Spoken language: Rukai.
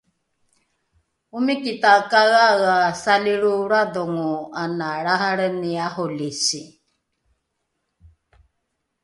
omiki takaeaea salilroolradhongo ana lrahalreni arolisi